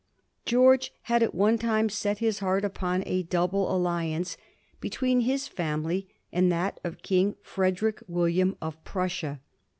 George had at one time set his heart upon a double al liance between his family and that of King Frederick William of Prussia.